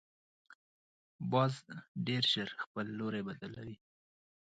باز ډیر ژر خپل لوری بدلوي